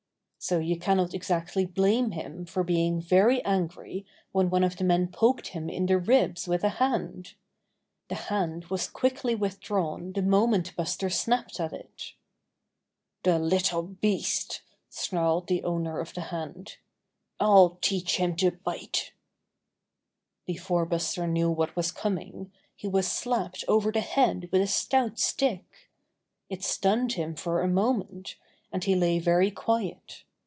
So you cannot exactly blame him for being very angry when one of the men poked him in the ribs with a hand. The hand was quickly withdrawn the moment Buster snapped at it. "The little beast," snarled the owner of the hand. "I'll teach him to bitel" Before Buster knew what was coming, he was slapped over the head with a stout stick. It stunned him for a moment, and he lay very quiet.